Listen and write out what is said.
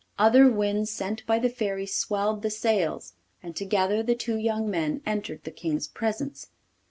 Other winds sent by the Fairy swelled the sails, and together the two young men entered the King's presence.